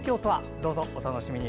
どうぞお楽しみに。